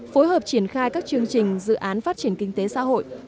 phối hợp triển khai các chương trình dự án phát triển kinh tế xã hội